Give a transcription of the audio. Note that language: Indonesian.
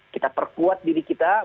kita perkuat diri kita